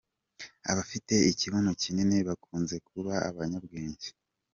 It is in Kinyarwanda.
Abafite ikibuno kinini bakunze kuba abanyabwenge.